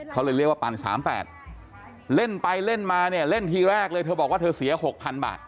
เขาเลยเรียกว่าปั่น๓๘เล่นไปเล่นมาเนี่ยเล่นทีแรกเลยเธอบอกว่าเธอเสีย๖๐๐๐บาท